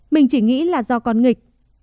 mình chỉ nghĩ là do con nghịch